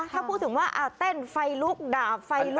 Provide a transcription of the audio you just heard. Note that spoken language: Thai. ถ้าพูดถึงว่าเต้นไฟลุกดาบไฟลุก